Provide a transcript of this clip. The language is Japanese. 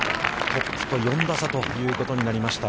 トップと４打差ということになりました。